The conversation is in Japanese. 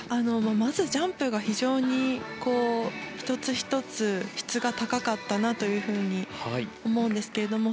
まずジャンプが非常に１つ１つ質が高かったなというふうに思うんですけれども。